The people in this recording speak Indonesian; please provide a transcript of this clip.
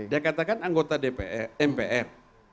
dia katakan anggota mpr